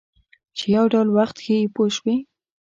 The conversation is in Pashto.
چې یو ډول وخت ښیي پوه شوې!.